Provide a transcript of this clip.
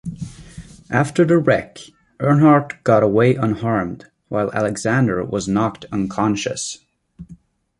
After the wreck, Earnhardt got away unharmed, while Alexander was knocked unconscious.